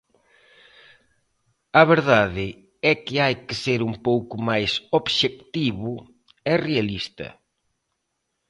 A verdade é que hai que ser un pouco máis obxectivo e realista.